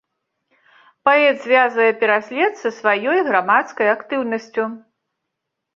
Паэт звязвае пераслед са сваёй грамадскай актыўнасцю.